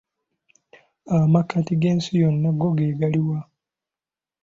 Amakkati g'ensi yonna go ge gali wa?